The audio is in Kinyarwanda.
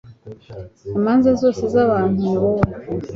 imanza zose z'abantu, ni wowe